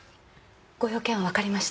ご用件はわかりました。